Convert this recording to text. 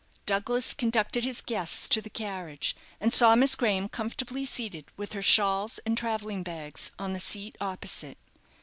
Douglas conducted his guests to the carriage, and saw Miss Graham comfortably seated, with her shawls and travelling bags on the seat opposite.